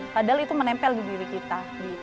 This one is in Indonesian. padahal itu menempel di diri kita